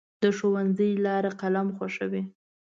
د ښوونځي لار قلم ښووي.